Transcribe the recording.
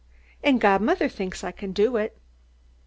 And godmother thinks I can do it."